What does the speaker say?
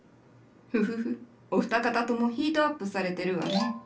フフフッお二方ともヒートアップされてるわね。